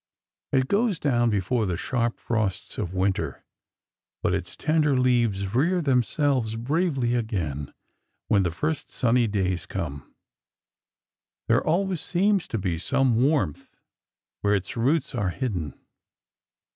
It goes down before the sharp frosts of winter, but its tender leaves rear themselves bravely again when the first sunny days come; there always seems to be some warmth where its roots are hidden.